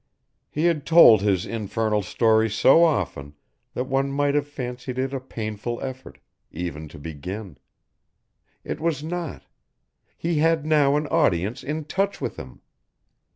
He had told his infernal story so often that one might have fancied it a painful effort, even to begin. It was not. He had now an audience in touch with him.